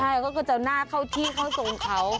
ใช่เขาก็จะเอาหน้าเข้าที่เข้าทรงเขา